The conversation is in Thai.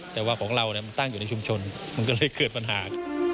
แต่ว่าของเรามันตั้งอยู่ในชุมชนมันก็เลยเกิดปัญหา